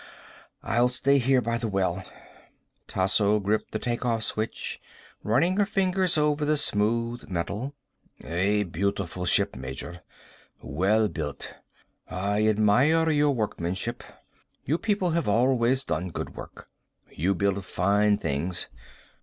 I'll stay here by the well." Tasso gripped the take off switch, running her fingers over the smooth metal. "A beautiful ship, Major. Well built. I admire your workmanship. You people have always done good work. You build fine things.